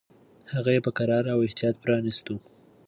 هغه یې په کراره او احتیاط پرانیستو.